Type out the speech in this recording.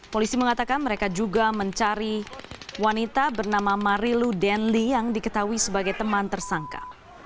polisi mengatakan mereka juga mencari wanita bernama marilu denli yang diketahui sebagai teman tersangka